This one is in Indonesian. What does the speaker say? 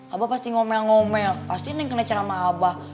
abah pasti ngomel ngomel pasti nenk kena acara sama abah